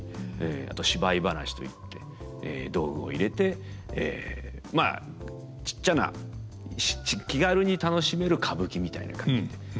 あと芝居噺といって道具を入れてまあちっちゃな気軽に楽しめる歌舞伎みたいな感じで。